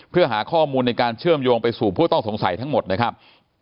เพื่อหาข้อมูลในการเชื่อมโยงไปสู่ผู้ต้องสงสัยทั้งหมดนะครับ